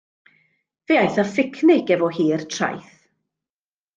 Fe aeth â phicnic efo hi i'r traeth.